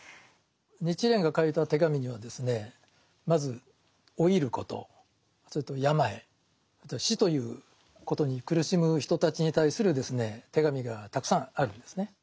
日蓮が書いた手紙にはですねまず老いることそれと病死ということに苦しむ人たちに対する手紙がたくさんあるんですね。